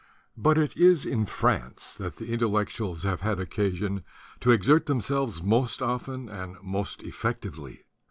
But it is in France that the Intellectuals have had occasion to exert themselves most often and most effectively.